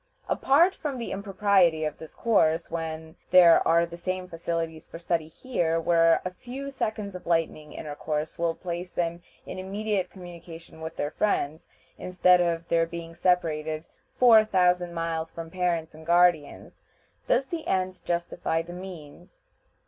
Apart from the impropriety of this course when there are the same facilities for study here, where a few seconds of lightning intercourse will place them in immediate communication with their friends, instead of their being separated four thousand miles from parents and guardians, does the end justify the means?